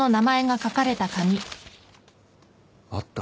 あった。